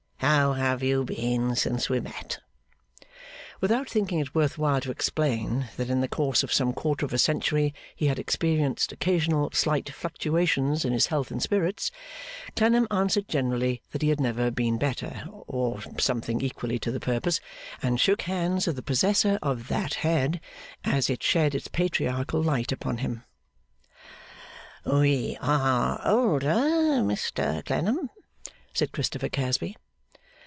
How have you been since we met?' Without thinking it worth while to explain that in the course of some quarter of a century he had experienced occasional slight fluctuations in his health and spirits, Clennam answered generally that he had never been better, or something equally to the purpose; and shook hands with the possessor of 'that head' as it shed its patriarchal light upon him. 'We are older, Mr Clennam,' said Christopher Casby.